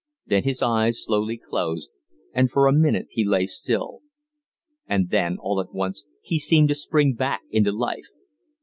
Then his eyes slowly closed, and for a minute he lay still. And then, all at once, he seemed to spring back into life.